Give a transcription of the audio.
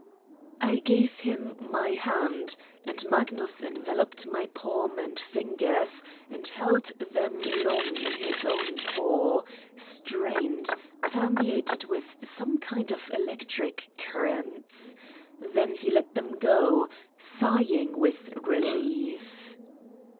I gave him my hand and Magnus enveloped my palm and fingers and held them long in his own paw, strained, permeated with some kind of elec tric currents. Then he let them go, sighing with relief.